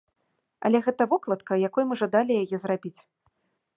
Але гэта вокладка, якой мы жадалі яе зрабіць.